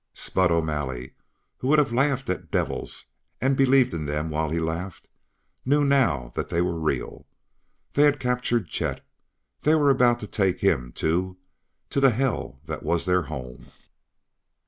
Spud O'Malley, who would have laughed at devils and believed in them while he laughed, knew now that they were real. They had captured Chet; they were about to take him, too, to the hell that was their home.